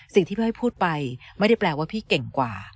พี่อ้อยพูดไปไม่ได้แปลว่าพี่เก่งกว่า